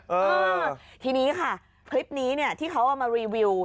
เออทีนี้ค่ะคลิปนี้เนี่ยที่เขาเอามารีวิว